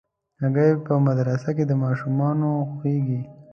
هګۍ په مدرسه کې د ماشومانو خوښېږي.